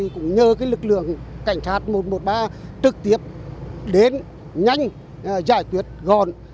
cũng nhờ lực lượng cảnh sát một trăm một mươi ba trực tiếp đến nhanh giải quyết gọn